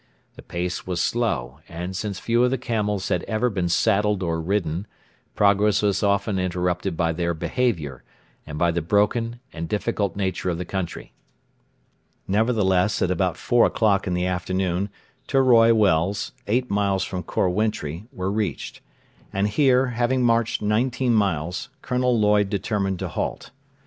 The pace was slow, and, since few of the camels had ever been saddled or ridden, progress was often interrupted by their behaviour and by the broken and difficult nature of the country. Nevertheless at about four o'clock in the afternoon, Teroi Wells, eight miles from Khor Wintri, were reached; and here, having marched nineteen miles, Colonel Lloyd determined to halt.